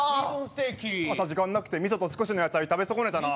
朝時間なくて味噌と少しの野菜食べ損ねたなぁ。